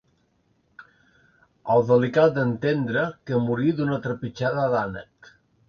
El delicat d'en Tendre, que morí d'una trepitjada d'ànec.